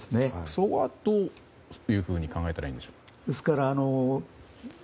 そこはどういうふうに考えたらいいんでしょうか。